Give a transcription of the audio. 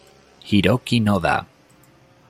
Hiroki Noda